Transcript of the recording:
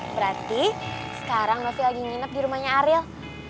berarti sekarang novi lagi nginep di rumahnya aril